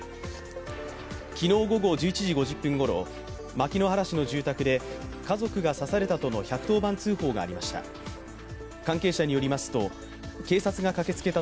昨日午後１１時５０分ごろ、牧之原市の住宅で家族が刺されたとの１１０番通報がありました。